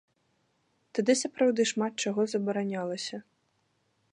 Тады сапраўды шмат чаго забаранялася.